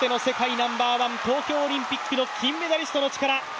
ナンバーワン東京オリンピックの金メダリストの力。